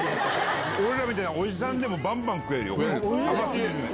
俺らみたいなおじさんでもばんばん食えるよ。